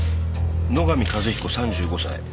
野上和彦３５歳。